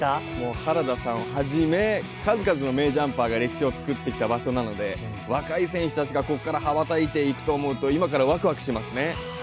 原田さんをはじめ、数々の名ジャンパーが歴史を作ってきた場所なので若い選手たちがここから羽ばたいていくと思うと今からわくわくしますね。